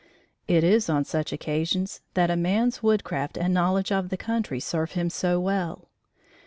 It is on such occasions that a man's woodcraft and knowledge of the country serve him so well.